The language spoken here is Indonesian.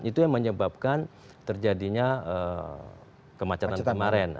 itu yang menyebabkan terjadinya kemacetan kemarin